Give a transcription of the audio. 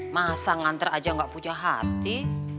masa nganter aja gak punya hati